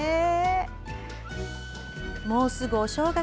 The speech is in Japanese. もうすぐ、お正月。